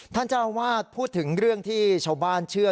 ท่านเจ้าวาดพูดถึงเรื่องที่ชาวบ้านเชื่อ